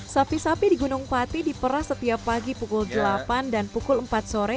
sapi sapi di gunung pati diperas setiap pagi pukul delapan dan pukul empat sore